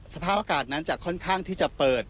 สภาพอากาศนั้นจะค่อนข้างที่จะเปิด